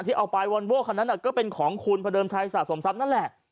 เอาไปวอนโว้คันนั้นก็เป็นของคุณพระเดิมชัยสะสมทรัพย์นั่นแหละ